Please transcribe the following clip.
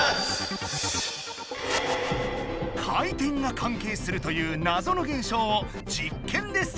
「回転」が関係するというなぞの現象を実験で再現だ！